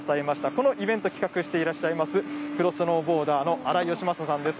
このイベントを企画していらっしゃいます、プロスノーボーダーの荒井善正さんです。